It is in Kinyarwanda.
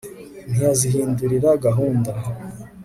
ntiyazihindurira gahunda